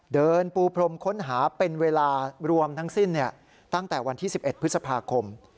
เดินปูพรมค้นหาเป็นเวลารวมทั้งสิ้นตั้งแต่วันที่๑๑พฤษภาคม